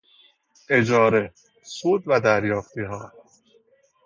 اجاره، سود و دریافتیها